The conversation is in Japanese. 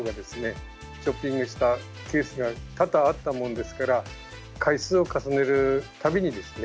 ショッピングしたケースが多々あったもんですから回数を重ねる度にですね